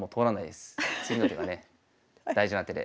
次の手がね大事な手で。